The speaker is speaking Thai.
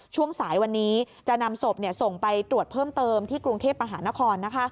ช่วงสายวันนี้จะนำศพส่งไปตรวจเพิ่มเติมที่กรุงเทพมหานคร